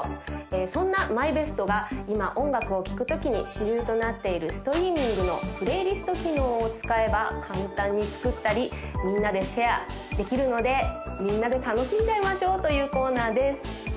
そんなＭＹＢＥＳＴが今音楽を聴くときに主流となっているストリーミングのプレイリスト機能を使えば簡単に作ったりみんなでシェアできるのでみんなで楽しんじゃいましょうというコーナーです